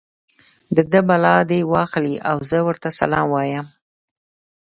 د ده بلا دې واخلي او زه ورته سلام وایم.